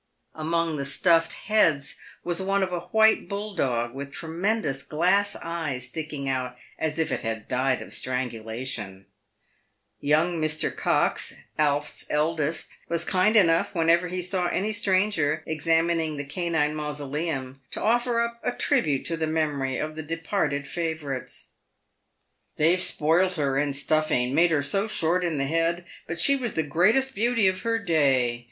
Among the stuffed heads was one of a white bulldog, with tre mendous glass eyes sticking out as if it had died of strangulation. Young Mr. Cox — Alf's eldest — was kind enough, whenever he saw any stranger examining the canine mausoleum, to offer up a tribute to the memory of the departed favourites. " They've spoilt her in stuffing — made her so short in the head — but she was the greatest beauty of her day.